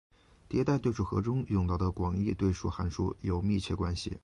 迭代对数和中用到的广义对数函数有密切关系。